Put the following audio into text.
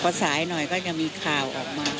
พอสายหน่อยก็จะมีข่าวออกมา